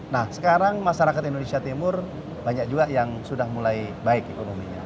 nah sekarang masyarakat indonesia timur banyak juga yang sudah mulai baik ekonominya